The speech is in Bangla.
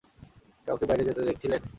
কাউরে বাইরে যেতে দেখসিলেন?